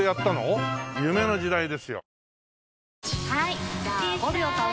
夢の時代ですよ。